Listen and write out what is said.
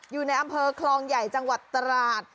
อยู่ในอำเภอคลองใหญ่จังหวัดตราด